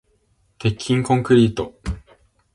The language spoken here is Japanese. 鉄筋コンクリート